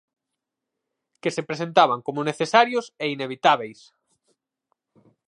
Que se presentaban como necesarios e inevitábeis.